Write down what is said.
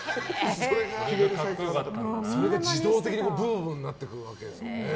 それで自動的にブームになっていくわけですね。